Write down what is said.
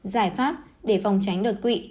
giải pháp để phòng tránh đột quỵ